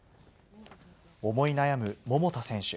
思い悩む桃田選手。